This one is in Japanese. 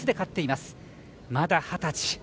まだ二十歳。